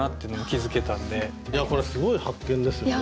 いやこれすごい発見ですよね。